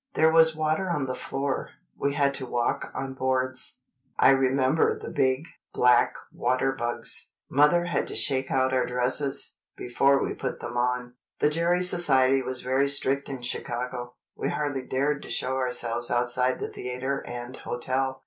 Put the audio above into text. There was water on the floor—we had to walk on boards. I remember the big, black water bugs. Mother had to shake out our dresses, before we put them on. "The Gerry Society was very strict in Chicago. We hardly dared to show ourselves outside the theatre and hotel.